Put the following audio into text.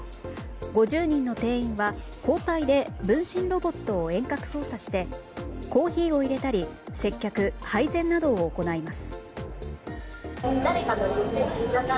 ５０人の店員は交代で分身ロボットを遠隔操作してコーヒーを入れたり接客、配膳などを行います。